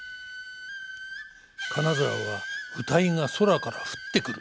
「金沢は謡が空から降ってくる」